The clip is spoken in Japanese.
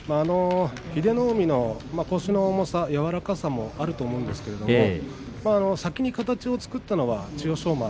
英乃海の腰の重さ柔らかさもあると思うんですが先に形を作ったのは千代翔馬。